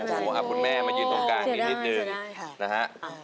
อ๋ออ้าวพี่แม่มายืนตรงข้างนิดหนึ่ง